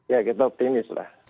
ya kita optimis lah